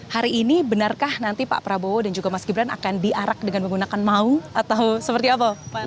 hari ini benarkah nanti pak prabowo dan juga mas gibran akan diarak dengan menggunakan mau atau seperti apa